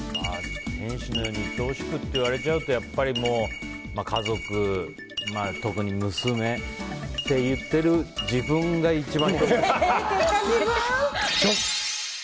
天使のようにいとおしくって言われちゃうとやっぱり、家族特に娘って言ってる自分が一番。